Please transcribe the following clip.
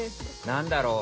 何だろう。